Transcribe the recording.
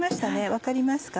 分かりますか？